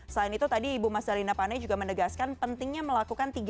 selain itu tadi ibu mas dalina pane juga menegaskan pentingnya melakukan